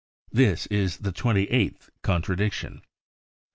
This is the twenty eighth contradiction.